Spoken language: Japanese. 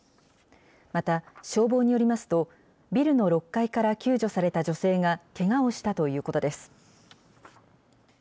また、消防によりますと、ビルの６階から救助された女性がけがをしたということです。